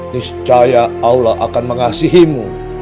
niscaya allah akan mengasihimu